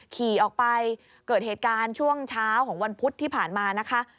ขี่ออกไปเกิดเหตุการณ์ช่วงเช้าของวันพุธที่ผ่านมานะคะ